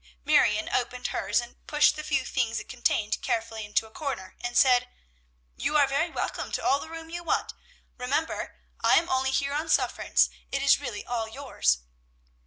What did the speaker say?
Marion opened hers, pushed the few things it contained carefully into a corner, and said, "You are very welcome to all the room you want. Remember, I am only here on sufferance; it is really all yours."